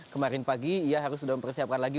kemarin pagi ia harus sudah mempersiapkan lagi